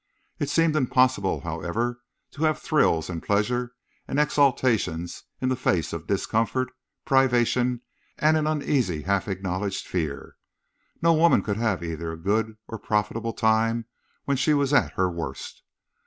It seemed impossible, however, to have thrills and pleasures and exaltations in the face of discomfort, privation, and an uneasy half acknowledged fear. No woman could have either a good or a profitable time when she was at her worst.